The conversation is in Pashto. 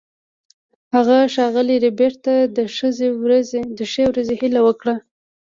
هغه ښاغلي ربیټ ته د ښې ورځې هیله وکړه